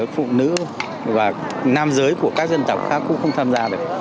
phụ nữ và nam giới của các dân tộc khác cũng không tham gia được